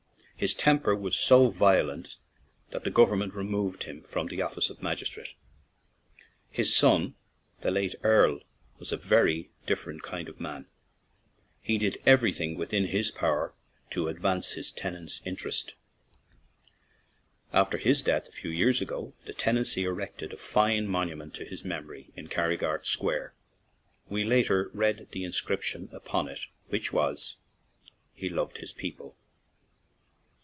His temper was so violent that the government removed him from the office of magistrate. His son, the late Earl, was a very different kind of man ; he did everything within his power to advance his tenants' interests. After his death, a few years ago, the tenantry erected a fine monument to his memory in Carrigart Square. We later read the in scription upon it, which was, "He loved his people."